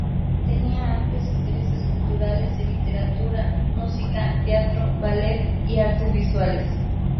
Tenía amplios intereses culturales de literatura, música, teatro, ballet y artes visuales.